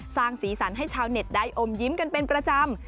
สร้างสีสันให้ชาวเน็ตได้อมยิ้มกันเป็นประจำ